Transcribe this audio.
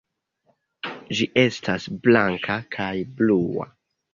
Ĝi estas blanka kaj blua.